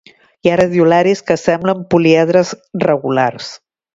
Hi ha radiolaris que semblen poliedres regulars.